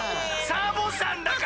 サボさんだから。